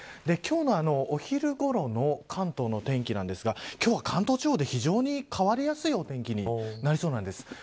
今日のお昼ごろの関東の天気ですが関東地方で非常に変わりやすいお天気になりそうです。